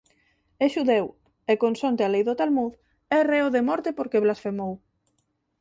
É xudeu, e, consonte a Lei do Talmud, é reo de morte, porque blasfemou.